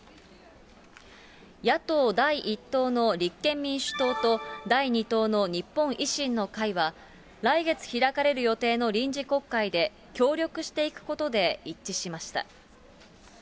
野党第１党の立憲民主党と、第２党の日本維新の会は、来月開かれる予定の臨時国会で協力していくことで一致しました。